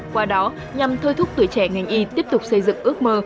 qua đó nhằm thôi thúc tuổi trẻ ngành y tiếp tục xây dựng ước mơ